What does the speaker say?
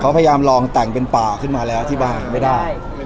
เขาพยายามลองแต่งเป็นป่าขึ้นมาแล้วที่บ้านไม่ได้